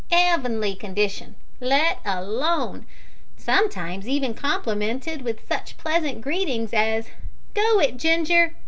'Eavenly condition let alone! sometimes even complimented with such pleasant greetings as `Go it, Ginger!'